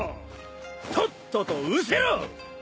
とっととうせろ！